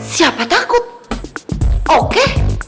siapa takut oke